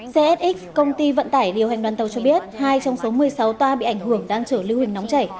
csx công ty vận tải điều hành đoàn tàu cho biết hai trong số một mươi sáu toa bị ảnh hưởng đang chở lưu hình nóng chảy